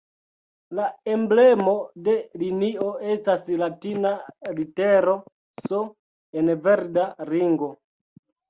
La emblemo de linio estas latina litero "S" en verda ringo.